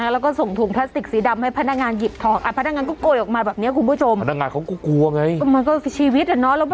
แล้วก็ส่งถุงพลาสติกสีดำให้พนักงานหยิบทอง